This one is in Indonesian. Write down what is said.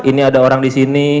ini ada orang disini